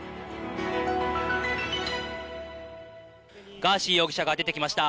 ガーシー容疑者が出てきました。